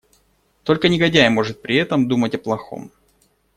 Только негодяй может при этом думать о плохом.